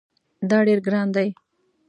دا ډیر ګران دی